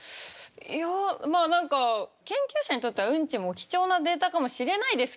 いやまあ何か研究者にとってはウンチも貴重なデータかもしれないですけど